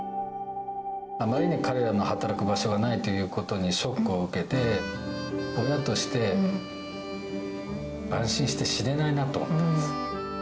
あまりに彼らの働く場所がないということにショックを受けて、親として安心して死ねないなと。